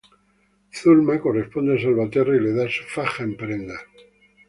Zulma corresponde a Salvaterra y le da su faja en prenda.